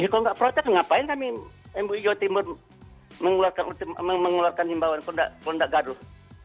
kalau tidak protes ngapain kami mui jatim mengeluarkan himbawan kalau tidak gaduh